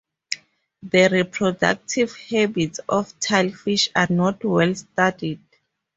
The reproductive habits of tilefish are not well studied.